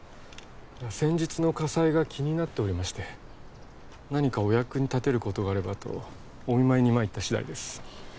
先日の火災が気になっておりまして何かお役に立てることがあればとお見舞いにまいった次第です